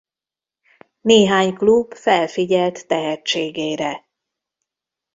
Néhány klub felfigyelt tehetségére.